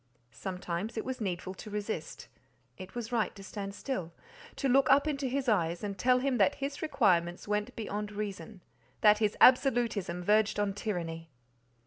Sometimes it was needful to resist; it was right to stand still, to look up into his eyes and tell him that his requirements went beyond reason—that his absolutism verged on tyranny.